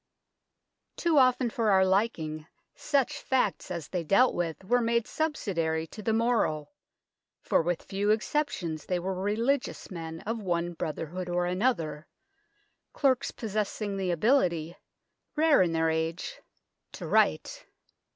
Too often for our liking such facts as they dealt with were made subsidiary to the moral, for with few exceptions they were religious men of one brotherhood or another, clerks possessing the ability, rare in their age, D 49 50 THE TOWER OF LONDON to write.